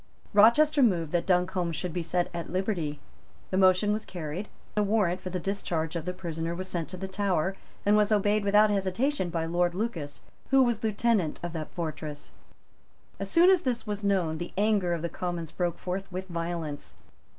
Rochester moved that Duncombe should be set at liberty. The motion was carried; a warrant for the discharge of the prisoner was sent to the Tower, and was obeyed without hesitation by Lord Lucas, who was Lieutenant of that fortress. As soon as this was known, the anger of the Commons broke forth with violence.